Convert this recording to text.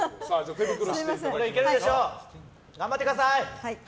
頑張ってください！